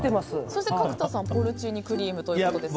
角田さん、ポルチーニクリームということですが。